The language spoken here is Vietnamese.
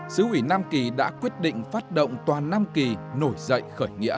sứ ủy nam kỳ đã quyết định phát động toàn nam kỳ nổi dậy khởi nghĩa